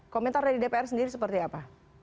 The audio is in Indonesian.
komentar dari dpr sendiri seperti apa